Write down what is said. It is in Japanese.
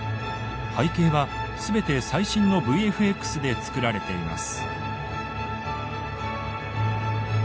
背景は全て最新のＶＦＸで作られています。